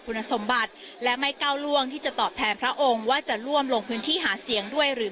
คุณสมบัติและไม่ก้าวล่วงที่จะตอบแทนพระองค์ว่าจะร่วมลงพื้นที่หาเสียงด้วยหรือ